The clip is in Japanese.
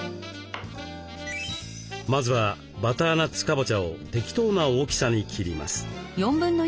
まずはバターナッツカボチャを適当な大きさに切ります。